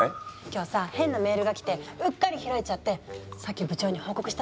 今日さ変なメールが来てうっかり開いちゃってさっき部長に報告したばっかりだもん。